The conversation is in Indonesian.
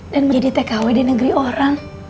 dan menjadi tkw di negeri orang